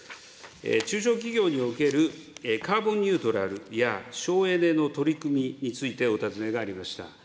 中小企業におけるカーボンニュートラルや省エネの取り組みについてお尋ねがありました。